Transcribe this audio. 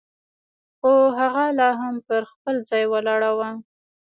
خو هغه لا هم پر خپل ځای ولاړه وه.